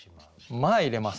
「前」入れます。